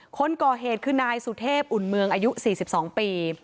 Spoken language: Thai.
คนก่อเหตุคือนายสุเทพอุ่นเมืองอายุ๔๒ปี